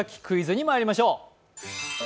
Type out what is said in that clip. クイズ」にまいりましょう。